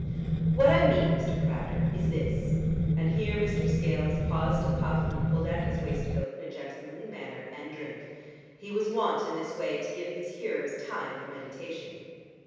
"What I mean, Mr. Crowder, is this." Here Mr. Scales paused to puff, and pull down his waistcoat in a gentlemanly manner, and drink. He was wont in this way to give his hearers time for meditation.